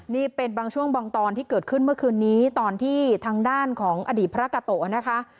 นี่เป็นบางช่วงบางตอนที่เกิดขึ้นเมื่อคืนนี้ตอนที่ทางด้านของอดีตพระกาโตนะคะ